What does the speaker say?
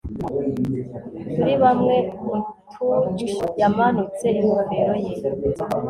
Kuri bamwe untuckd yamanutse ingofero ye